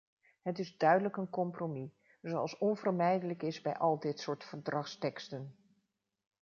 Het is duidelijk een compromis, zoals onvermijdelijk is bij al dit soort verdragsteksten.